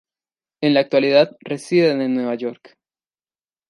En la actualidad residen en Nueva York.